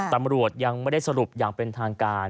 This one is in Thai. ตำรวจยังไม่ได้สรุปอย่างเป็นทางการ